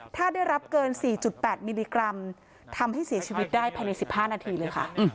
ถ้าได้รับเกิน๔๘มิลลิกรัมทำให้เสียชีวิตได้ภายใน๑๕นาทีเลยค่ะ